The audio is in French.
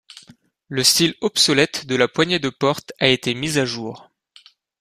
Le style obsolète de la poignée de porte a été mis à jour.